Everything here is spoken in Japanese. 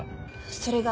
それが。